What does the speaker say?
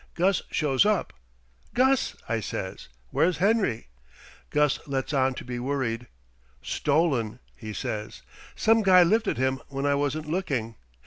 Gus shows up. 'Gus,' I says, 'where's Henry?' Gus lets on to be worried. 'Stolen!' he says. 'Some guy lifted him when I wasn't looking.'